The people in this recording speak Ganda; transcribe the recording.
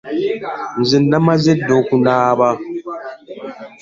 Nze namaze dda okunaaba.